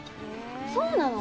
そうなの？